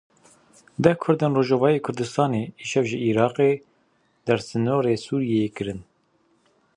Deh kurdên Rojavayê Kurdistanê îşev ji Iraqê dersînorî Sûriyeyê kirin.